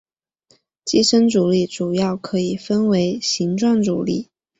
寄生阻力主要可以分为形状阻力。